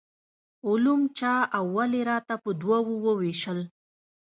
علوم چا او ولې راته په دوو وویشل.